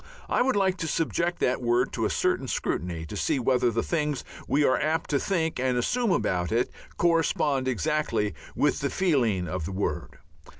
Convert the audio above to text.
I would like to subject that word to a certain scrutiny to see whether the things we are apt to think and assume about it correspond exactly with the feeling of the word.